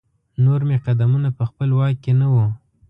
نور مې قدمونه په خپل واک کې نه وو.